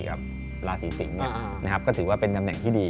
กับราศีสิงศ์ก็ถือว่าเป็นตำแหน่งที่ดี